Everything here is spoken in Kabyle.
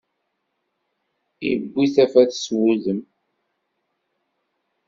Iwwi tafat s wudem.